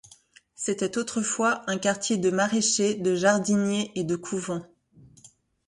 C'était autrefois un quartier de maraîchers, de jardiniers et de couvents.